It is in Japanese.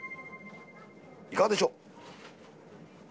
いかがでしょう。